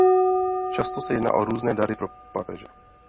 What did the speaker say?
Často se jedná o různé dary pro papeže.